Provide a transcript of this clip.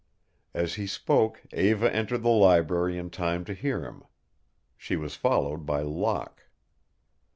As he spoke Eva entered the library in time to hear him. She was followed by Locke.